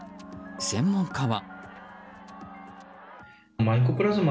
専門家は。